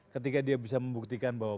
ketika dia bisa membuktikan bahwa